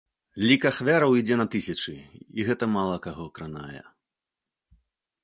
Лік ахвяраў ідзе на тысячы, і гэта мала каго кранае.